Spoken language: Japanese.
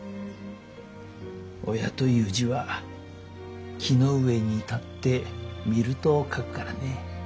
「親」という字は木の上に立って見ると書くからね。